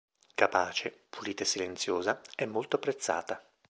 Capace, pulita e silenziosa, è molto apprezzata.